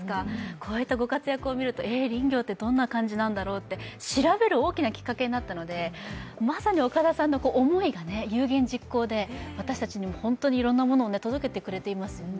こういったご活躍を見ると林業って、どんな感じだろうって、調べる大きなきっかけになったのでまさに岡田さんの思いが有言実行で、私たちにいろんなものを届けてくれていますね。